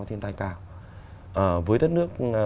thiên tai cao với đất nước